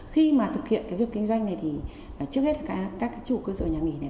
khi mà thực hiện cái việc kinh doanh này thì trước hết là các chủ cơ sở nhà nghỉ này